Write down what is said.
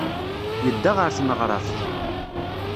Yedda ɣer tneɣraft.